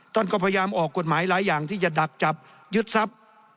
ท่านก็พยายามออกกฎหมายหลายอย่างที่จะดักจับยึดทรัพย์